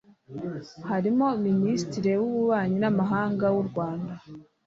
harimo Minisitiri w’Ububanyi n’Amahanga w’u Rwanda